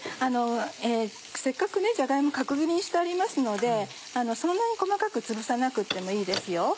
せっかくじゃが芋角切りにしてありますのでそんなに細かくつぶさなくてもいいですよ。